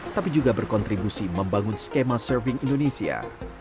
tapi juga berkontribusi membangun skema surfing indonesia